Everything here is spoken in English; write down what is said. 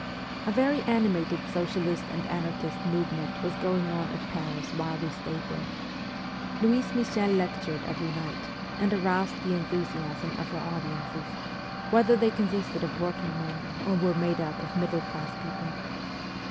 A very animated socialist and anarchist movement was going on at Paris while we stayed there. Louise Michel lectured every night, and aroused the enthu siasm of her audiences, whether they consisted of working men or were made up of middle class people.